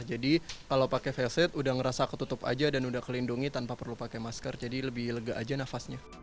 jadi kalau pakai face shield udah ngerasa ketutup aja dan udah kelindungi tanpa perlu pakai masker jadi lebih lega aja nafasnya